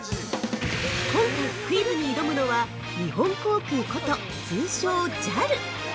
◆今回、クイズに挑むのは日本航空こと通称、ＪＡＬ。